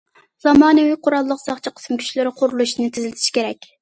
زامانىۋى قوراللىق ساقچى قىسىم كۈچلىرى قۇرۇلۇشىنى تېزلىتىش كېرەك.